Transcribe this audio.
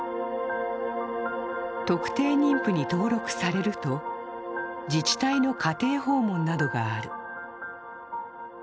特定妊婦に登録されると、自治体の家庭訪問などがある。